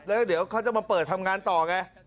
แล้วเดี๋ยวเขาจะมาเปิดทำงานต่อไง